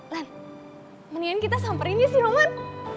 lan mendingan kita samperin dia sih roman